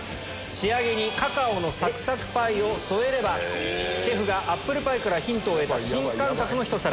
仕上げにカカオのサクサクパイを添えればシェフがアップルパイからヒントを得た新感覚のひと皿。